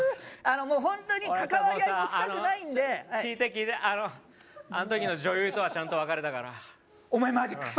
もうホントに関わり合い持ちたくないんで聞いて聞いてあの時の女優とはちゃんと別れたからお前マジクソ